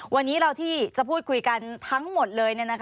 วันนี้เราที่จะพูดคุยกันทั้งหมดเลย